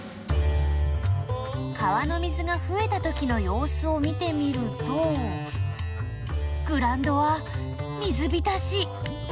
川の水がふえた時のよう子を見てみるとグラウンドは水びたし。